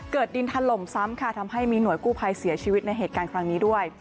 ดินถล่มซ้ำค่ะทำให้มีหน่วยกู้ภัยเสียชีวิตในเหตุการณ์ครั้งนี้ด้วย